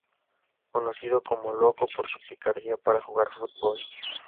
Conocido como "loco" por su picardía para jugar fútbol.